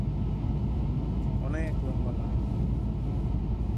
অনেক লম্বা লাইন।